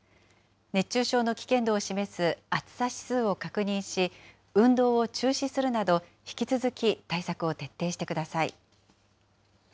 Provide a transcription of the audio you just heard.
熱中症の危険度を示す暑さ指数を確認し、運動を中止するなど、引き続き対策を徹底してください。